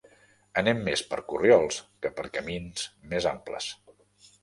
Anem més per corriols que per camins més amples.